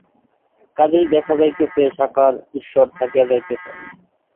কাজেই দেখা যাইতেছে, সাকার ঈশ্বর থাকিয়া যাইতেছেন।